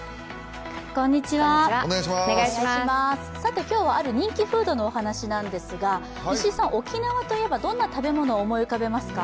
今日はある人気フードのお話なんですが、石井さん、沖縄と言えばどんな食べ物を思い浮かべますか？